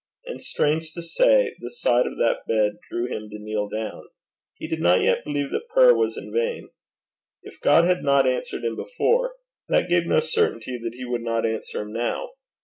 And, strange to say, the side of that bed drew him to kneel down: he did not yet believe that prayer was in vain. If God had not answered him before, that gave no certainty that he would not answer him now.